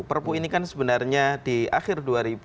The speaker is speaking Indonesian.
perpu ini kan sebenarnya di akhir dua ribu dua puluh